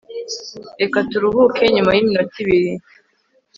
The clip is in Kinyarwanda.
reka turuhuke nyuma y iminota ibiri